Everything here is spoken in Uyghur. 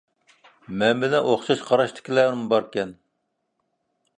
مەن بىلەن ئوخشاش قاراشتىكىلەرمۇ باركەن.